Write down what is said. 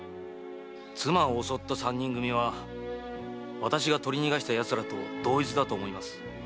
妻を襲った三人組は私が取り逃がした奴らだと思います。